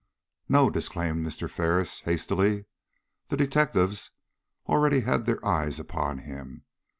"No," disclaimed Mr. Ferris, hastily. "The detectives already had their eyes upon him.